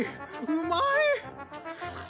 うまい！